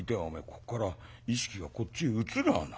ここから意識がこっちへ移るわな。